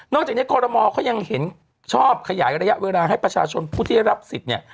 จากนี้คอรมอลเขายังเห็นชอบขยายระยะเวลาให้ประชาชนผู้ที่ได้รับสิทธิ์เนี่ย